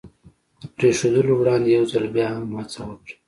د پرېښودلو وړاندې یو ځل بیا هم هڅه وکړه.